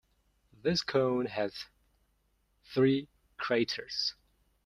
This cone has three craters.